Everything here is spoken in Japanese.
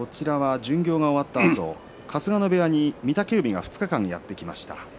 巡業が終わったあと春日野部屋で御嶽海が２日間やってきました。